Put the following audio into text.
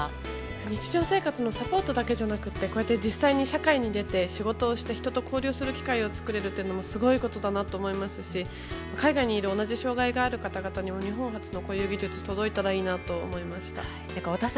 日常生活のサポートだけじゃなくて実際に社会に出て仕事をして人と交流する機会を作れるのもすごいことだなと思いますし海外にいる同じ障害がある方々にも日本発のこういう技術が届いたらいいなと思いました。